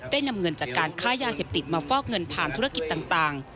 นำเงินจากการค้ายาเสพติดมาฟอกเงินผ่านธุรกิจต่าง